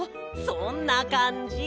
そんなかんじ！